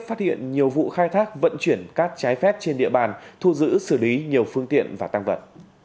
họ đã phát hiện nhiều vụ khai thác vận chuyển cát trái phép trên địa bàn thu giữ xử lý nhiều phương tiện và tăng vận